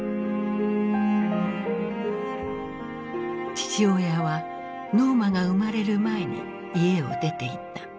父親はノーマが生まれる前に家を出ていった。